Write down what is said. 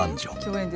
共演？